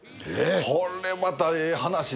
これまたええ話で。